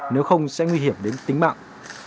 nếu không sẽ nguy hiểm đến tính mạng